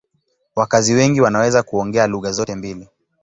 Wakazi wengi wanaweza kuongea lugha zote mbili.